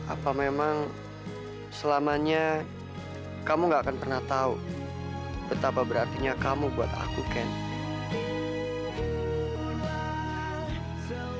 apa memang selamanya kamu nggak akan pernah tahu betapa berarti kamu buat aku candy